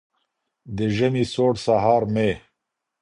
د ژمي سوړ سهار مي